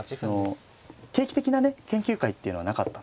定期的なね研究会っていうのはなかったんですよね。